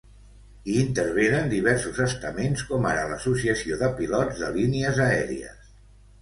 Hi intervenen diversos estaments, com ara l’associació de pilots de línies aèries.